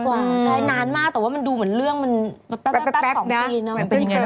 ช้านานมากแต่ว่ามันดูเหมือนเรื่องมัน